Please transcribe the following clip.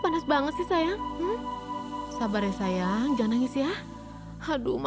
hah iya bu